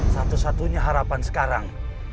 satu satunya harapan sekarang